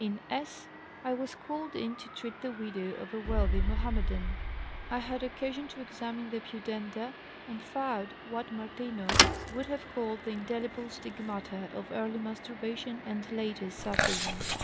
In S. I was called in to treat the widow of a wealthy Mohammedan; I had occasion to examine the pudenda, and found what Martineau would have called the indelible stigmata of early masturbation and later sapphism.